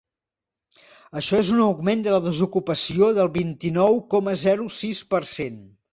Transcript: Això és un augment de la desocupació del vint-i-nou coma zero sis per cent.